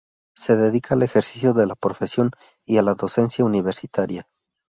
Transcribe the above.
Se dedica al ejercicio de la profesión y a la docencia universitaria.